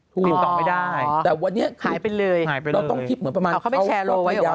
ติดต่อไม่ได้หายไปเลยเอาเข้าไปแชร์โลไว้หรือเปล่า